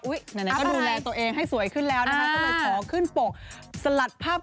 อุ๊ยไหนก็ดูแลตัวเองให้สวยขึ้นแล้วนะครับ